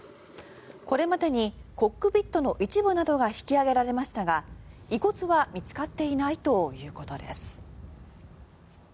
これまでにコックピットの一部なども引き揚げられましたが遺骨は見つかっていないということです。